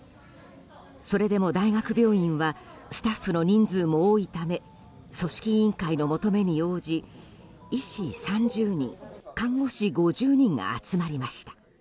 それでも大学病院はスタッフの人数も多いため組織委員会の求めに応じ医師３０人、看護師５０人が集まりました。